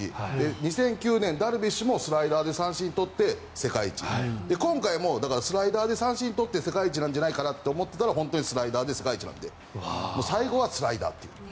２００９年、ダルビッシュもスライダーで三振を取って世界一今回もスライダーで三振取って世界一なんじゃないかと思っていたら本当にスライダーで世界一なんで最後はスライダーという。